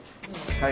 はい。